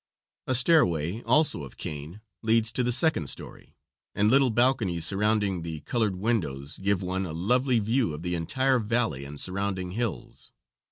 A stairway, also of cane, leads to the second story, and little balconies surrounding the colored windows give one a lovely view of the entire valley and surrounding hills.